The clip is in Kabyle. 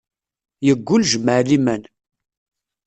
Yeggul, jmaɛ liman